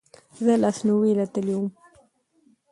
زه لاسنیوې له تلی وم